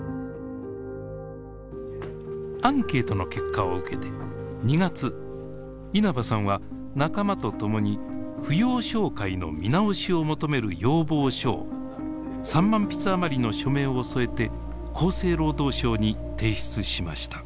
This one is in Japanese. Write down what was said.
アンケートの結果を受けて２月稲葉さんは仲間と共に扶養照会の見直しを求める要望書を３万筆あまりの署名を添えて厚生労働省に提出しました。